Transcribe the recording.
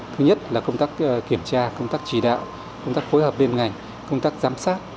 thứ nhất là công tác kiểm tra công tác chỉ đạo công tác phối hợp liên ngành công tác giám sát